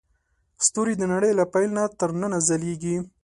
ستوري د نړۍ له پیل نه تر ننه ځلېږي.